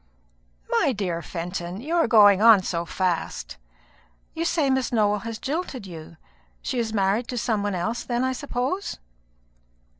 "My dear Fenton, you are going on so fast! You say Miss Nowell has jilted you. She is married to some one else, then, I suppose?"